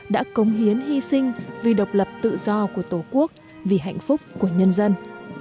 đã cống hiến hy sinh vì độc lập tự do của tổ quốc vì hạnh phúc của nhân dân